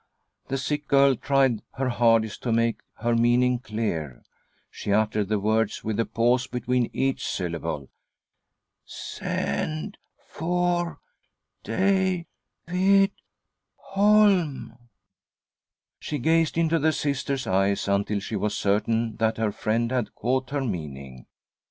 The sick girl tried her hardest to make her mean ing clear. She uttered the words with a pause between each syllable. " Send— for— Da— vid— Holm." She gazed into the Sister's eyes until she was certain that her friend had caught her meaning.